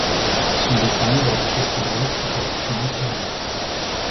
Sont décernés lors du festival plusieurs prix littéraires.